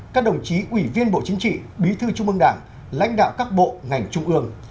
các đồng chí ủy viên bộ chính trị bí thư trung ương đảng lãnh đạo các bộ ngành trung ương